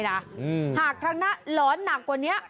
หากทั้งนั้นเหรอนหนักกว่านี้